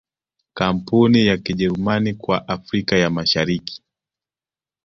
Kampuni ya Kijerumani kwa Afrika ya Mashariki